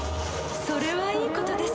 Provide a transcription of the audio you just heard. それはいいことです。